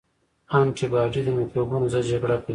انټي باډي د مکروبونو ضد جګړه کوي